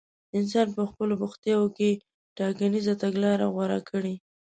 انسان په خپلو بوختياوو کې ټاکنيزه تګلاره غوره کړي.